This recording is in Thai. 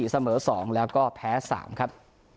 เสมอ๒แล้วก็แพ้๓ครับ